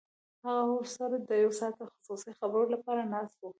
هغه ورسره د یو ساعته خصوصي خبرو لپاره ناست و